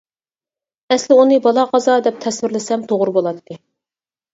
ئەسلى ئۇنى بالا-قازا دەپ تەسۋىرلىسەم توغرا بولاتتى.